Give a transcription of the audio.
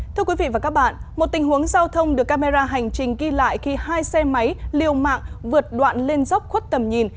thưa quý vị và các bạn một tình huống giao thông được camera hành trình ghi lại khi hai xe máy liều mạng vượt đoạn lên dốc khuất tầm nhìn